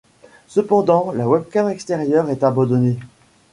Cependant, la webcam extérieure est abandonnée.